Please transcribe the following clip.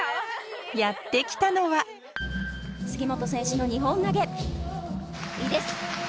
やって来たのは杉本選手の２本投げいいです！